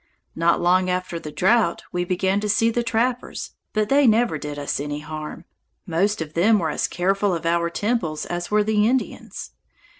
Not long after the drought we began to see the trappers, but they never did us any harm. Most of them were as careful of our temples as were the Indians.